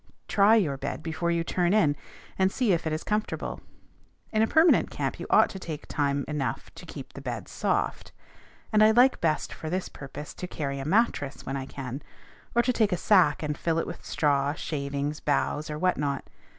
Try your bed before you "turn in," and see if it is comfortable. In a permanent camp you ought to take time enough to keep the bed soft; and I like best for this purpose to carry a mattress when I can, or to take a sack and fill it with straw, shavings, boughs, or what not.